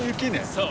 そう。